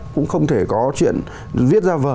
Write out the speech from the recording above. cũng không thể có chuyện viết ra vở